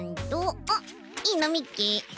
あっいいのみっけ！